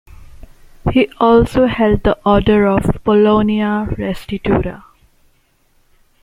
He also held the Order of Polonia Restituta.